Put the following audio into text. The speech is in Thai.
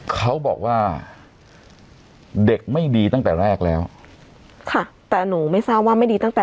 เขาบอกว่าเด็กไม่ดีตั้งแต่แรกแล้วค่ะแต่หนูไม่ทราบว่าไม่ดีตั้งแต่